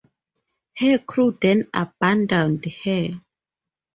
Her crew then abandoned her.